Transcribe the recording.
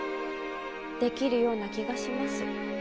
できるような気がします。